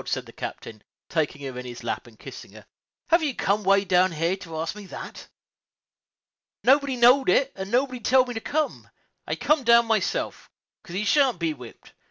said the captain, taking her in his lap and kissing her, "have you come way down here to ask me that?" "Nobody knowed it, and nobody telled me to come; I comed my own self, 'cause he shan't be whipped.